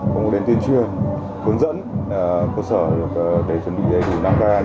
cũng có đến tuyên truyền hướng dẫn cơ sở để chuẩn bị đề dụng đáng gai